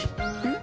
ん？